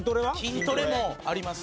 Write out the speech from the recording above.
筋トレもあります。